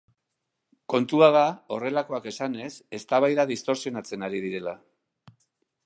Kontua da, horrelakoak esanez, eztabaida distortsionatzen ari direla.